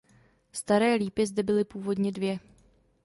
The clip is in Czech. Staré lípy zde byly původně dvě.